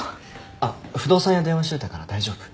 あっ不動産屋に電話しといたから大丈夫。